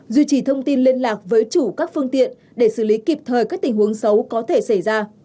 duy trì thông tin liên lạc với chủ các phương tiện để xử lý kịp thời các tình huống xấu có thể xảy ra